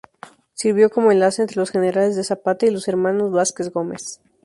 Sirvió como enlace entre los generales de Zapata y los hermanos Vázquez Gómez.